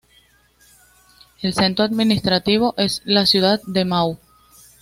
El centro administrativo es la ciudad de Mau.